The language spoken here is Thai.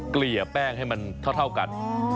เกลี่ยแป้งให้มันเท่ากัน